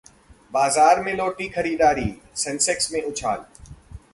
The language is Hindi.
बाजार में लौटी खरीददारी, सेंसेक्स में उछाल